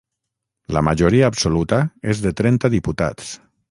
La majoria absoluta és de trenta diputats.